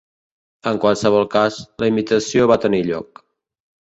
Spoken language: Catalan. En qualsevol cas, la invitació va tenir lloc.